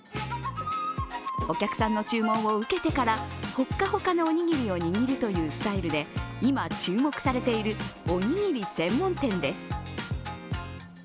お客さんの注文を受けてからほっかほかのおにぎりを握るというスタイルで今注目されているおにぎり専門店です。